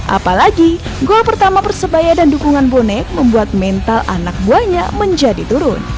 apalagi gol pertama persebaya dan dukungan bonek membuat mental anak buahnya menjadi turun